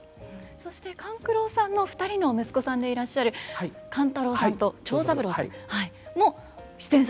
そして勘九郎さんの２人の息子さんでいらっしゃる勘太郎さんと長三郎さんも出演されると。